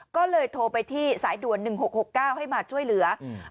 ก็เลยโทรไปที่สายด่วนหนึ่งหกหกเก้าให้มาช่วยเหลืออืม